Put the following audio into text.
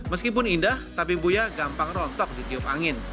meskipun indah tabi buia gampang rontok ditiup angin